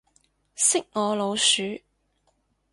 識我老鼠